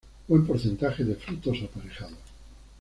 Buen porcentaje de frutos aparejados.